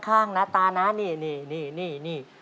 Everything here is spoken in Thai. ข้างนะตานะนี่